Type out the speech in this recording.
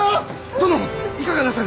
殿いかがなさる！